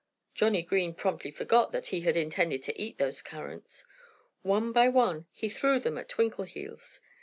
Johnnie Green promptly forgot that he had intended to eat those currants. One by one he threw them at Twinkleheels.